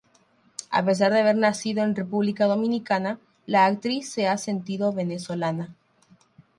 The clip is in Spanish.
A pesar de haber nacido en República Dominicana, la actriz se ha sentido venezolana.